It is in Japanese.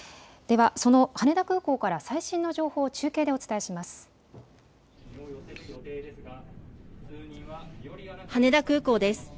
では、その羽田空港から最新の情報を中継でお伝えします。